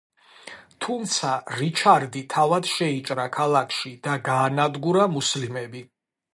თუმცა რიჩარდი თავად შეიჭრა ქალაქში და გაანადგურა მუსლიმები.